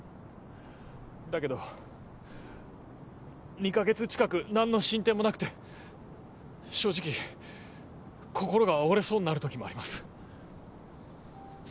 だけど２か月近く何の進展もなくて正直心が折れそうになる時もあります。